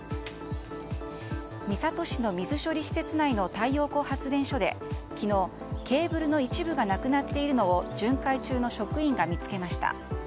三郷市の水処理施設内の太陽光発電所で昨日、ケーブルの一部がなくなっているのを巡回中の職員が見つけました。